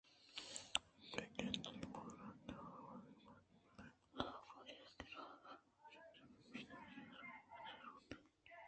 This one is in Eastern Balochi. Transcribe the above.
بہ گندے من گوٛشاں کہ آ درٛوگ بندیت بلئے پدا ہم آئی ءِ کِرّاکاگدے چُنڈے بہ بیت کہ آئی ءَ را اِدا لوٹائینگ بوتگ